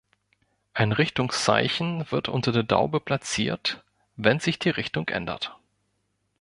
Ein Richtungszeichen wird unter der Daube platziert, wenn sich die Richtung ändert.